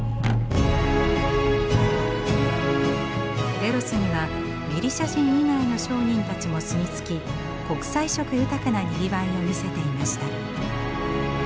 デロスにはギリシャ人以外の商人たちも住み着き国際色豊かなにぎわいを見せていました。